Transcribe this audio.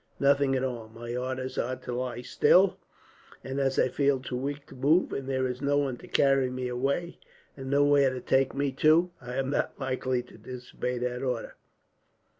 "Nothing at all. My orders are to lie still; and as I feel too weak to move, and there is no one to carry me away, and nowhere to take me to, I am not likely to disobey the order."